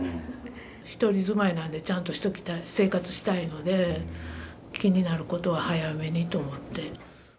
１人住まいなんで、ちゃんと生活したいので、気になることは早めにと思って。